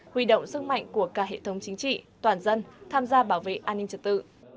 huy động sức mạnh của cả hệ thống chính trị toàn dân tham gia bảo vệ an ninh trật tự